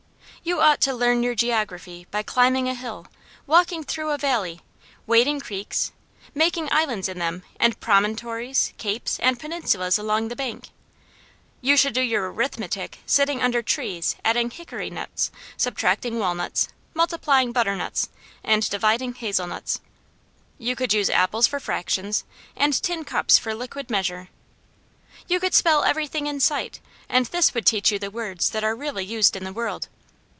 You ought to learn your geography by climbing a hill, walking through a valley, wading creeks, making islands in them, and promontories, capes, and peninsulas along the bank. You should do your arithmetic sitting under trees adding hickory nuts, subtracting walnuts, multiplying butternuts, and dividing hazelnuts. You could use apples for fractions, and tin cups for liquid measure. You could spell everything in sight and this would teach you the words that are really used in the world.